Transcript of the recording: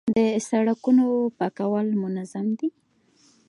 د سړکونو پاکول منظم دي؟